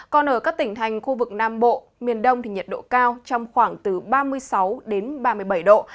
còn ở các tỉnh thành khu vực nam bộ miền đông thì nhiệt độ cao trong khoảng từ ba mươi sáu đến ba mươi bảy độ